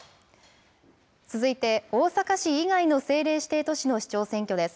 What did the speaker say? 続いて、大阪市以外の政令指定都市の市長選挙です。